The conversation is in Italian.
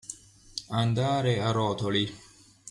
Andare a rotoli.